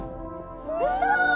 うそ！